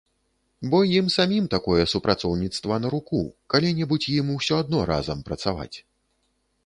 Бо ім самім такое супрацоўніцтва на руку, калі-небудзь ім усё адно разам працаваць.